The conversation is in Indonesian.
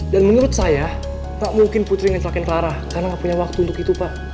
dan menurut saya tak mungkin putri ngecelakin clara karena gak punya waktu untuk itu pak